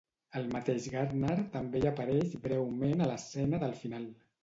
El mateix Gardner també hi apareix breument a l'escena del final.